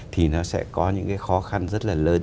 thì nó sẽ có những cái khó khăn rất là lớn